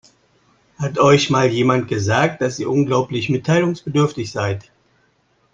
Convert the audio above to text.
Hat euch mal jemand gesagt, dass ihr unglaublich mitteilungsbedürftig seid?